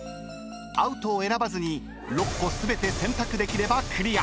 ［アウトを選ばずに６個全て選択できればクリア］